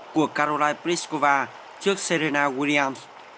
của karolai pliskova trước sena williams